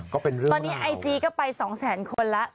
ตอนนี้ไอจีก็ไป๒แสนคนละ